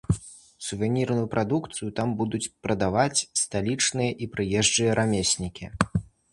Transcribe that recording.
Сувенірную прадукцыю там будуць прадаваць сталічныя і прыезджыя рамеснікі.